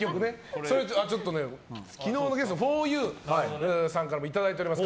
昨日のゲストふぉゆさんからいただいております。